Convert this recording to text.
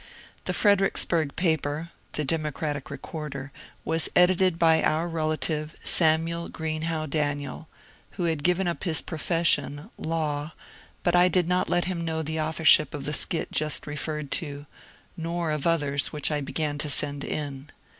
The Fredericksburg paper (the " Democratic Recorder ") was edited by our relative, Samuel Greenhow Daniel, who had given up his profession (law), but I did not let him know the authorship of the skit just referred to, nor of others which I began to send in.